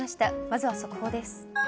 まずは速報です。